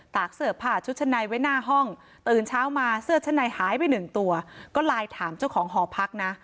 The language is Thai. กเสื้อผ้าชุดชั้นในไว้หน้าห้องตื่นเช้ามาเสื้อชั้นในหายไปหนึ่งตัวก็ไลน์ถามเจ้าของหอพักนะ